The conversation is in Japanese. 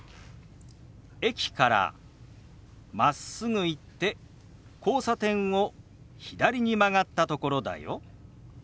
「駅からまっすぐ行って交差点を左に曲がったところだよ」。